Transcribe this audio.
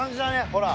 ほら。